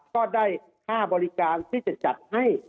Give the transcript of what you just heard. ก็ได้ค่าบริการที่จะจัดให้